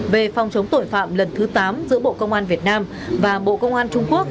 về phòng chống tội phạm lần thứ tám giữa bộ công an việt nam và bộ công an trung quốc